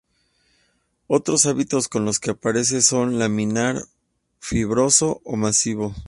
Otros hábitos con los que aparece son laminar, fibroso o masivo.